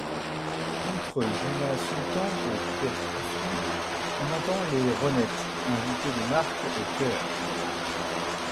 Outre Juma Sultan aux percussions, on entend les Ronettes, invitées de marque aux chœurs.